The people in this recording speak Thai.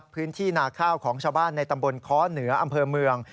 พื้นที่นาข้าวของชาวบ้านในตำบลค้อเหนืออำเภอเมือง